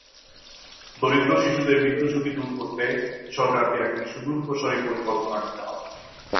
দরিদ্র শিশুদের মৃত্যুঝুঁকি দূর করতে সরকারকে এখনই সুদূরপ্রসারী পরিকল্পনা নিতে হবে।